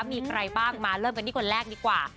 มีใครบ้างมาเริ่มกันที่คนแรกดีกว่า